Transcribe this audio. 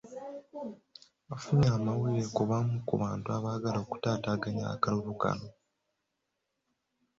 Afunye amawulire ku bamu ku bantu abaagala okutaataaganya akalulu kano